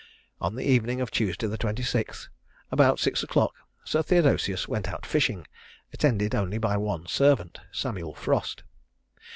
On the evening of Tuesday, the 26th, about six o'clock, Sir Theodosius went out fishing, attended only by one servant, Samuel Frost.